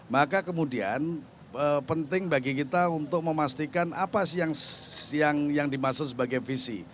maka kemudian penting bagi kita untuk memastikan apa sih yang dimaksud sebagai visi